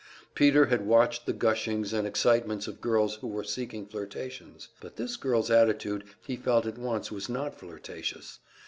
Peter had watched the gushings and excitements of girls who were seeking flirtations; but this girl's attitude he felt at once was not flirtatious.